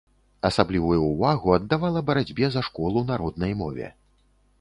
Асаблівую ўвагу аддавала барацьбе за школу на роднай мове.